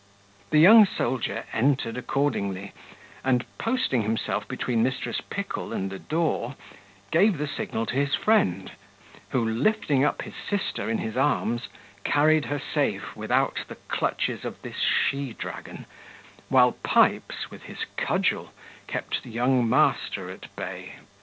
The young soldier entered accordingly, and, posting, himself between Mrs. Pickle and the door, gave the signal to his friend, who, lifting up his sister in his arms, carried her safe without the clutches of this she dragon, while Pipes, with his cudgel, kept young master at bay.